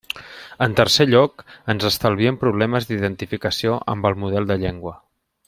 En tercer lloc, ens estalviem problemes d'identificació amb el model de llengua.